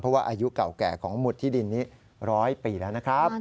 เพราะว่าอายุเก่าแก่ของหมุดที่ดินนี้๑๐๐ปีแล้วนะครับ